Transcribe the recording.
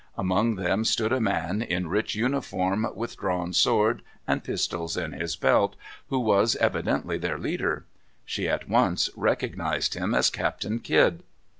Among them stood a man, in rich uniform, with drawn sword, and pistols in his belt, who was evidently their leader. She at once recognized him as Captain Kidd.